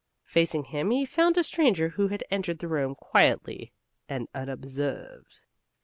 Facing him he found a stranger who had entered the room quietly and unobserved.